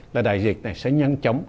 là đại dịch này sẽ nhanh chóng